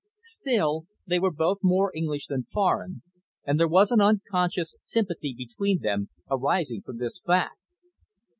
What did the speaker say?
Still, they were both more English than foreign, and there was an unconscious sympathy between them arising from this fact.